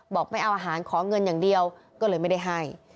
ไม่เอาอาหารขอเงินอย่างเดียวก็เลยไม่ได้ให้